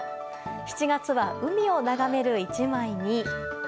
７月は海を眺める１枚に。